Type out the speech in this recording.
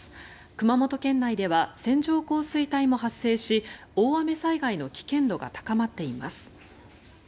熊本県内では線状降水帯も発生し大雨災害の危険度が高まっています。